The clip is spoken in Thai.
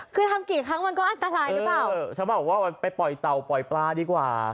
คือทำกี่ครั้งมันก็อันตรายหรือเปล่าเออชาวบ้านบอกว่าไปปล่อยเต่าปล่อยปลาดีกว่า